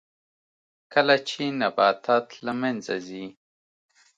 کله چې نباتات له منځه ځي